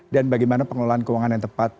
dan bagaimana pengelolaan keuangan yang tepat